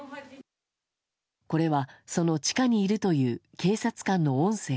これは、その地下にいるという警察官の音声。